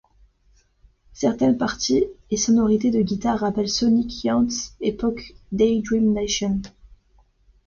Certaines parties et sonorités de guitare rappellent Sonic Youth époque Daydream Nation.